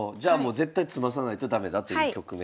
絶対詰まさないとダメだという局面。